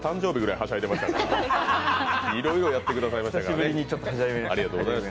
いろいろやってくださいました。